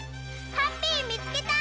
ハッピーみつけた！